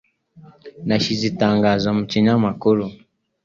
Nashyize itangazo mu kinyamakuru